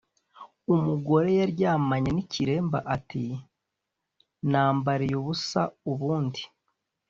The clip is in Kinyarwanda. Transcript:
Umugore yaryamanye n’ikiremba ati nambariye ubusa ubundi.